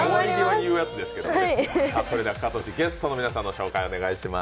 それではかとし、ゲストの皆さんのご紹介をお願いします。